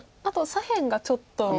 あと左辺がちょっと。